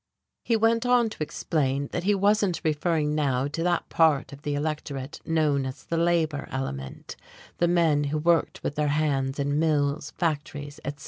He went on to explain that he wasn't referring now to that part of the electorate known as the labour element, the men who worked with their hands in mills, factories, etc.